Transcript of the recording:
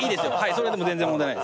それでも全然問題ないです。